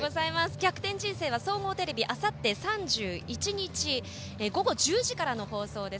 「逆転人生」は総合テレビあさって午後１０時からの放送です。